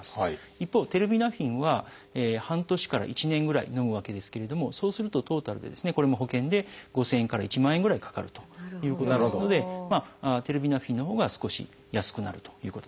一方テルビナフィンは半年から１年ぐらいのむわけですけれどもそうするとトータルでこれも保険で５，０００円から１万円ぐらいかかるということですのでテルビナフィンのほうが少し安くなるということです。